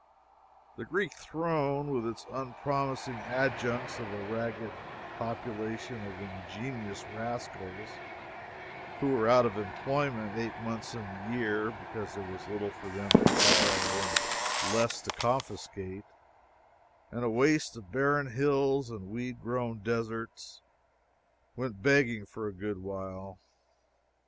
The Greek throne, with its unpromising adjuncts of a ragged population of ingenious rascals who were out of employment eight months in the year because there was little for them to borrow and less to confiscate, and a waste of barren hills and weed grown deserts, went begging for a good while.